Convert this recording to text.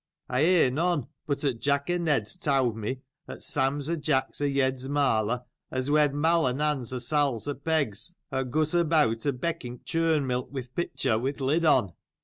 I hear none, said he, but that Jack o' Ned's told me, that Sam's o' Jack's, o' Yed Marler's, has wed Mai o' Nan's, o' Sal's o' Peg's, that goes about a begging churn milk, with a pitcher, with a lid on.